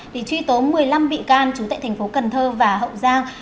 thì truy tố một mươi năm bị can trú tại thành phố cần thơ và hậu giang